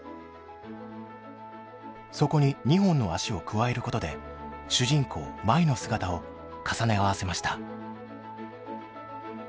そこに２本の脚を加えることで主人公舞の姿を重ね合わせました。